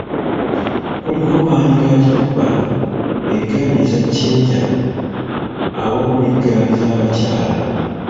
Kuliko maanyigakifuba, eggaali eza "ccenja" awamu n’eggaali z’abakyala.